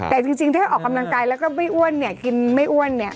แต่จริงถ้าเธอออกกำลังกายแล้วก็ไม่อ้วนเนี่ย